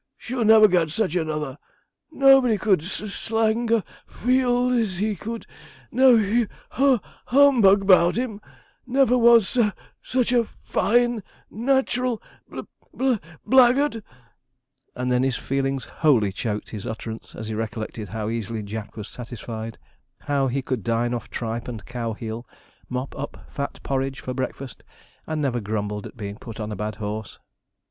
Shall never get such another. Nobody could s s lang a fi fi field as he could; no hu hu humbug 'bout him never was su su such a fine natural bl bl blackguard'; and then his feelings wholly choked his utterance as he recollected how easily Jack was satisfied; how he could dine off tripe and cow heel, mop up fat porridge for breakfast, and never grumbled at being put on a bad horse.